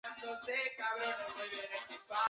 Está al norte de la pirámide escalonada de Zoser.